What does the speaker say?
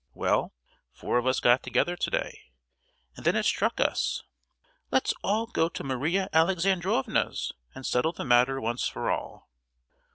Well, four of us got together to day, and then it struck us 'Let's all go to Maria Alexandrovna's, and settle the matter once for all!